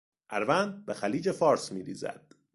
اروند رود به خلیج فارس میریزد.